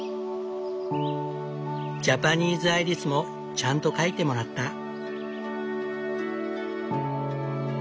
ジャパニーズアイリスもちゃんと描いてもらった。